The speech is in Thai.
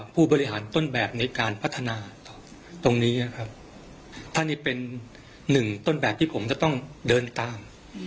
ผู้บริหารต้นแบบในการพัฒนาตรงนี้นะครับท่านนี้เป็นหนึ่งต้นแบบที่ผมจะต้องเดินตาม